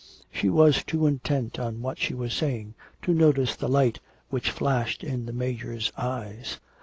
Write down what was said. She was too intent on what she was saying to notice the light which flashed in the Major's eyes.